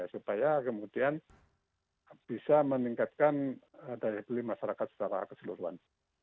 supaya kemudian bisa meningkatkan daya beli masyarakat secara keseluruhan